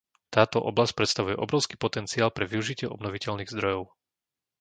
Táto oblasť predstavuje obrovský potenciál pre využitie obnoviteľných zdrojov.